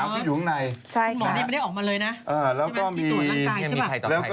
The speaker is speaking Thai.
๑๓ที่อยู่ข้างในแล้วก็จะมีนักดำน้ำไทยอีก๕นะครับ